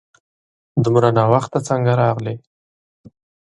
دومره ناوخته څنګه راغلې ؟